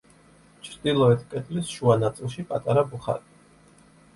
ჩრდილოეთ კედლის შუა ნაწილში პატარა ბუხარია.